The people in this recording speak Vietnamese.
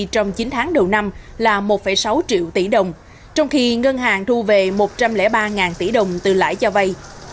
trong chín tháng đầu năm là một sáu triệu tỷ đồng trong khi ngân hàng thu về một trăm linh ba tỷ đồng từ lãi cho vay